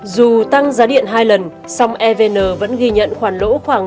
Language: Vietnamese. dù tăng giá điện hai lần sông evn vẫn ghi nhận khoảng một năm triệu đồng